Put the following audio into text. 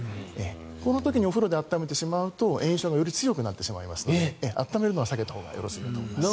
この時にお風呂で温めてしまうと炎症がより強くなってしまうので温めるのは避けたほうがよろしいかと思います。